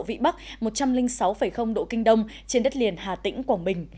vị bắc một trăm linh sáu độ kinh đông trên đất liền hà tĩnh quảng bình